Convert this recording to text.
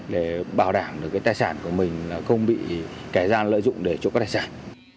để bảo đảm được tài sản của mình không bị kẻ gian lợi dụng để trộm các tài sản